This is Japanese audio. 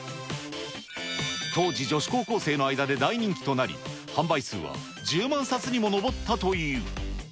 当時、女子高校生の間で大人気となり、販売数は１０万冊にも上ったという。